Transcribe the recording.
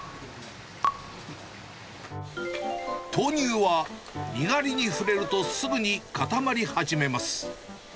豆乳はにがりに触れるとすぐに固まり始めます。